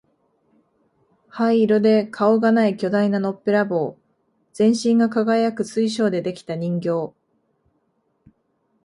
灰色で顔がない巨大なのっぺらぼう、全身が輝く水晶で出来た人形、